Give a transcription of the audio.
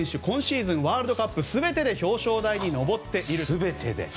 今シーズンワールドカップ全てで表彰台に上っていると。